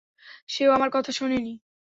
সেও আমার কথা শোনেনি।